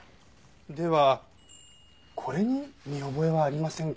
ではこれに見覚えはありませんか？